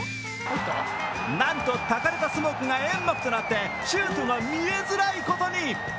なんとたかれたスモークが煙幕となってシュートが見えづらいことに。